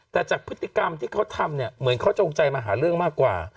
แต่จากพฤติกรรมที่เขาทำเนี่ยเหมือนเขาจงใจมาหาเรื่องมากกว่า